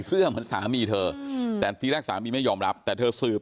เหมือนสามีเธอแต่ทีแรกสามีไม่ยอมรับแต่เธอสืบ